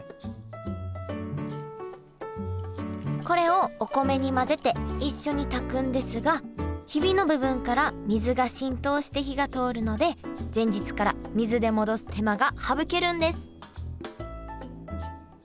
これをお米に混ぜて一緒に炊くんですがヒビの部分から水が浸透して火が通るので前日から水で戻す手間が省けるんです